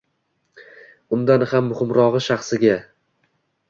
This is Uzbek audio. undan ham muhimrog'i shaxsiga